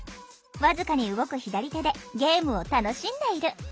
僅かに動く左手でゲームを楽しんでいる。